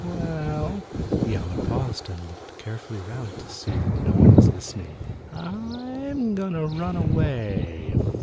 "Well " Yowler paused and looked carefully round to see that no one was listening. "I'm going to run away."